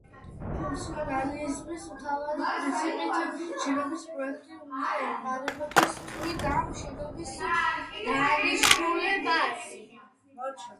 ფუნქციონალიზმის მთავარი პრინციპით შენობის პროექტი უნდა ემყარებოდეს თვით ამ შენობის დანიშნულებას.